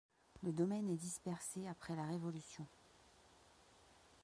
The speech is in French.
Le domaine est dispersé après la Révolution.